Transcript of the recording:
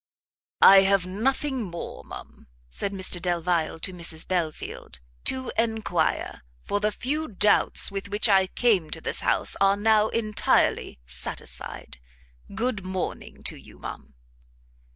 "I have nothing more, ma'am," said Mr Delvile to Mrs Belfield, "to enquire, for the few doubts with which I came to this house are now entirely satisfied. Good morning to you, ma'am."